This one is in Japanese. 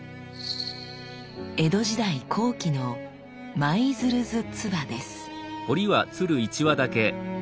江戸時代後期の「舞鶴図鐔」です。